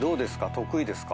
得意ですか？